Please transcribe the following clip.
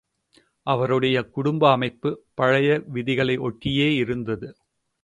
அவருடைய குடும்ப அமைப்பு பழைய விதிகளை ஒட்டியே இருந்தது.